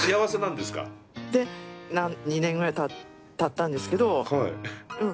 で２年ぐらいたったんですけどうん。